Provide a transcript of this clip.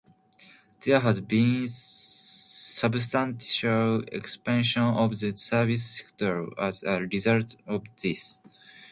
There has been substantial expansion of the service sector as a result of this.